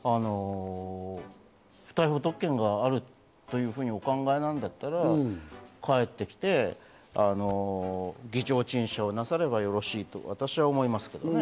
不逮捕特権があるというふうにお考えなんだったら、帰ってきて、議場陳謝なさればよろしいと私は思いますけどね。